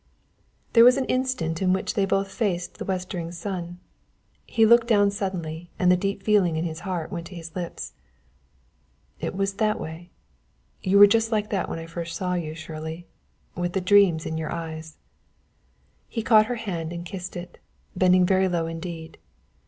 There was an instant in which they both faced the westering sun. He looked down suddenly and the deep feeling in his heart went to his lips. "It was that way, you were just like that when I saw you first, Shirley, with the dreams in your eyes." He caught her hand and kissed it, bending very low indeed.